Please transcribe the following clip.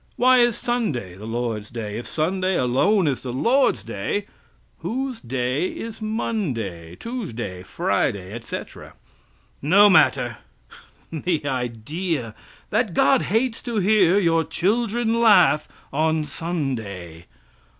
Why is Sunday the Lord's day? If Sunday alone is the Lord's day, whose day is Monday, Tuesday, Friday, etc.? No matter! The idea, that God hates to hear your children laugh on Sunday!